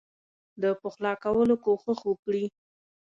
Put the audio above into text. د پخلا کولو کوښښ وکړي.